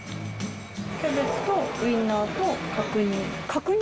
キャベツとウインナーと角煮。